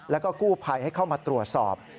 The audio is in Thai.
แล้วก็กู้ภัยให้เข้ามาตรวจสอบ